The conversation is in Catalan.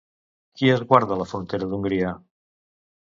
Qui esguarda la frontera d'Hongria?